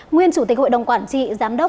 nguyên chủ tịch hội đồng quản trị giám đốc